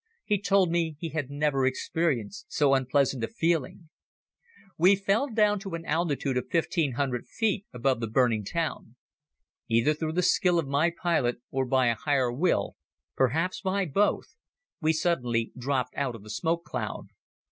He told me he had never experienced so unpleasant a feeling. We fell down to an altitude of 1500 feet above the burning town. Either through the skill of my pilot or by a Higher Will, perhaps by both, we suddenly dropped out of the smoke cloud.